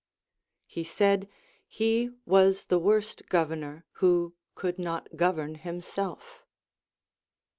He said, he was the worst governor who could not govern himself.